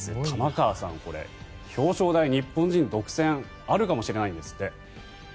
玉川さん、これ表彰台、日本人独占あるかもしれないんですって。